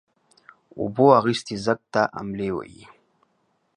اوبو اخيستى ځگ ته املې وهي.